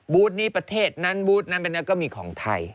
นี้ประเทศนั้นบูธนั้นเป็นนั้นก็มีของไทย